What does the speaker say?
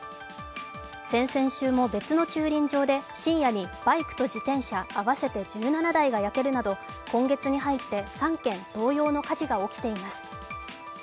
先々週も別の駐輪場で深夜にバイクと自転車、合わせて１７台が焼けるなど、今月に入って３件、同様の火事が起きています。